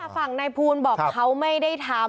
ฝั่งนายภูลบอกเขาไม่ได้ทำ